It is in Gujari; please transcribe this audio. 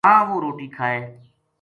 تاں وہ روٹی کھائے‘‘